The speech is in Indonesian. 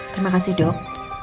terima kasih dok